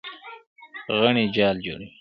غڼې جال جوړوي.